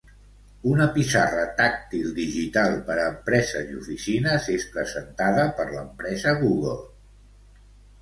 Una pissarra tàctil digital per a empreses i oficines és presentada per l'empresa Google.